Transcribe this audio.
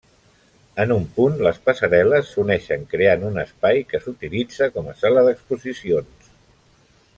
En un punt les passarel·les s'uneixen creant un espai que s'utilitza com a sala d'exposicions.